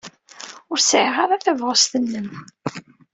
Ur sɛiɣ ara tabɣest-nnem.